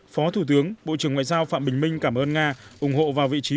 phó thủ tướng bộ trưởng ngoại giao phạm bình minh cảm ơn nga ủng hộ vào vị trí